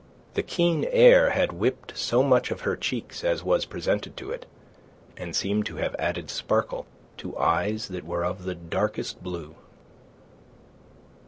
The keen air had whipped so much of her cheeks as was presented to it, and seemed to have added sparkle to eyes that were of darkest blue.